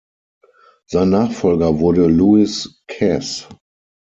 Sein Nachfolger wurde Lewis Cass.